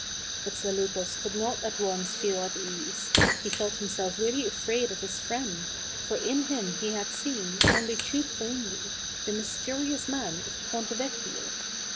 But Zaleukos could not at once feel at ease. He felt himself really afraid of his friend, for in him he had seen, only too plainly, the mysteri ous man of the Ponte Yecchio.